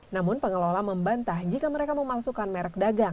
namun pengelola membantah jika mereka memalsukan merek dagang